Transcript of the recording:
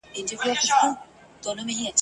مګر رود بله چاره نه سي میندلای !.